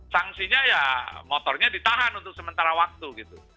sanksinya ya motornya ditahan untuk sementara waktu gitu